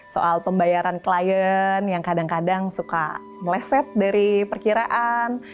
soal pembayaran klien yang kadang kadang suka meleset dari perkiraan